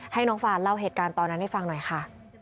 ให้น้องฟานเล่าเหตุการณ์ตอนนั้นให้ฟังหน่อยค่ะ